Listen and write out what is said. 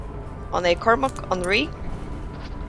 An é Cormac an rí?